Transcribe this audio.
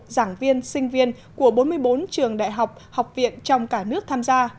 giảng viên sinh viên của bốn mươi bốn trường đại học học viện trong cả nước tham gia